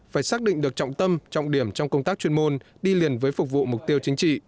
phải xác định được trọng tâm trọng điểm trong công tác chuyên môn đi liền với phục vụ mục tiêu chính trị